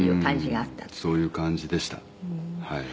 「そういう感じでしたはい」